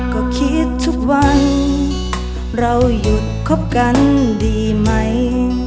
ก็คิดทุกวันเราหยุดคบกันดีไหม